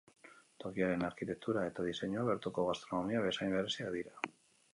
Tokiaren arkitektura eta diseinua, bertoko gastronomia bezain bereziak dira.